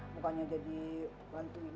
bukannya jadi bantuin